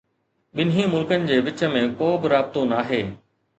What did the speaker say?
ٻنهي ملڪن جي وچ ۾ ڪوبه رابطو ناهي.